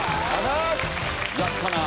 やったなぁ。